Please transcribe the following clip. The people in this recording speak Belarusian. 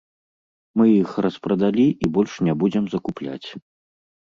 Мы іх распрадалі і больш не будзем закупляць.